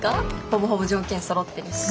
ほぼほぼ条件そろってるし。